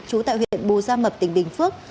chú tại huyện bù gia mập tỉnh bình phước